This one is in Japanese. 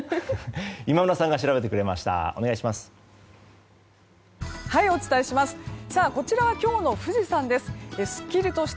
今村さんが調べてくれました。